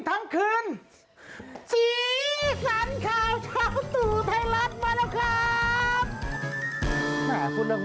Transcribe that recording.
วิ่งวิ่งวิ่ง